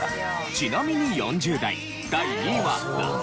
ちなみに４０代第２位は『夏色』。